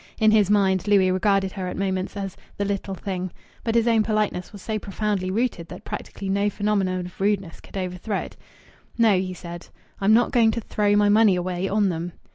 (In his mind Louis regarded her at moments, as "the little thing.") But his own politeness was so profoundly rooted that practically no phenomenon of rudeness could overthrow it. "No," he said, "I'm not going to 'throw my money away' on them."